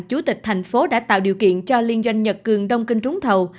chủ tịch thành phố đã tạo điều kiện cho liên doanh nhật cường đông kinh trúng thầu